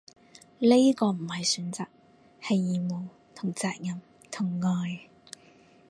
呢個唔係選擇，係義務同責任同愛